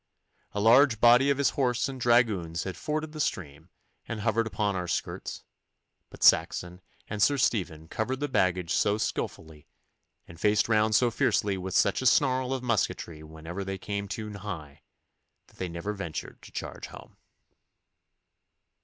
A large body of his horse and dragoons had forded the stream and hovered upon our skirts, but Saxon and Sir Stephen covered the baggage so skilfully, and faced round so fiercely with such a snarl of musketry whenever they came too nigh, that they never ventured to charge home.